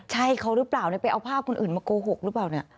ใช่เขาหรือเปล่าไปเอาภาพคนอื่นมาโกหกหรือเปล่าเนี่ย